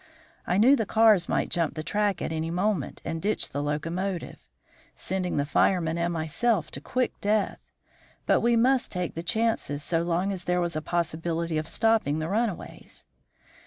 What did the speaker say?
I knew the cars might jump the track at any moment and ditch the locomotive, sending the fireman and myself to quick death; but we must take the chances so long as there was a possibility of stopping the runaways.